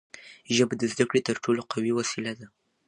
ژبه د زدهکړې تر ټولو قوي وسیله ده.